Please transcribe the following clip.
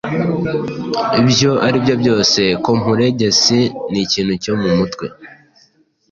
Ibyo aribyo byose, kompuregisi ni ikintu cyo mumutwe